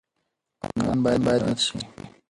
قانون باید مراعات شي.